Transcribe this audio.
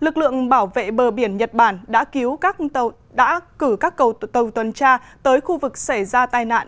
lực lượng bảo vệ bờ biển nhật bản đã cử các cầu tàu tuần tra tới khu vực xảy ra tai nạn